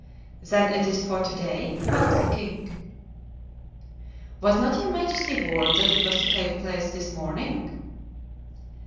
"Then it is for to day?" asked the king. "Was not your majesty warned that it was to take place this morning?"